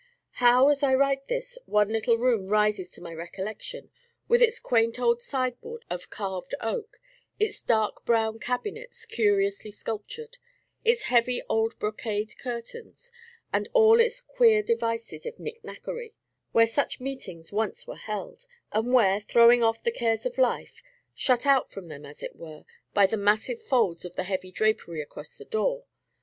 How, as I write this, one little room rises to my recollection, with its quaint old sideboard of carved oak; its dark brown cabinets, curiously sculptured; its heavy old brocade curtains, and all its queer devices of knick knackery, where such meetings once were held, and where, throwing off the cares of life, shut out from them, as it were, by the massive folds of the heavy drapery across the door